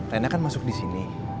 rena kan masuk di sini